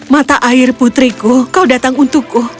mata air putriku kau datang untukku